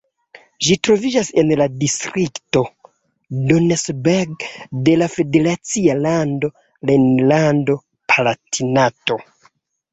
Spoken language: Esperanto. Ĝi troviĝas en la distrikto Donnersberg de la federacia lando Rejnlando-Palatinato.